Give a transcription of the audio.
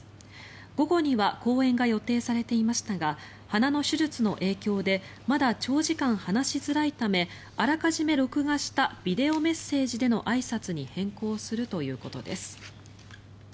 午後には講演が予定されていましたが鼻の手術の影響でまだ長時間話しづらいためあらかじめ録画したビデオメッセージでのあいさつに変更するということです。